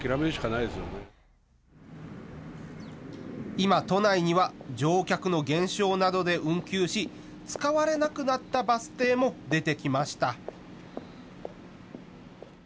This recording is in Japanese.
今、都内には乗客の減少などで運休し、使われなくなったバス停も出てきました。